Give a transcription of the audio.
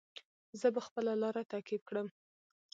زه به خپله لاره تعقیب کړم.